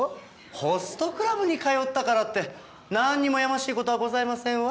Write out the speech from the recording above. ホストクラブに通ったからってなんにもやましい事はございませんわ。